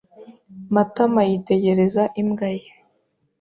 Matama yitegereza imbwa ye.